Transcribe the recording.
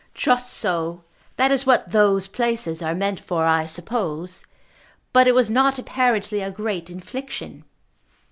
"Just so. That is what 'those places' are meant for, I suppose. But it was not apparently a great infliction."